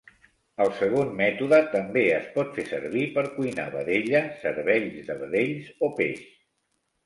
El segon mètode també es pot fer servir per cuinar vedella, cervells de vedells o peix.